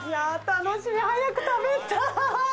楽しみ、早く食べたい。